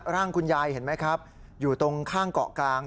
ร่างคุณยายเห็นไหมครับอยู่ตรงข้างเกาะกลาง